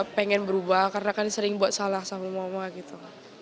pengen berubah karena kan sering buat salah sama mama gitu